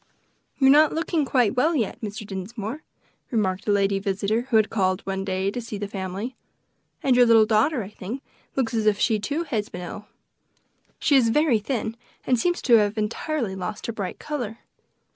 "You are not looking quite well yet, Mr. Dinsmore," remarked a lady visitor, who called one day to see the family; "and your little daughter, I think, looks as if she, too, had been ill; she is very thin, and seems to have entirely lost her bright color."